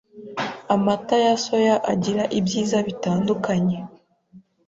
Amata ya soya agira ibyiza bitandukanye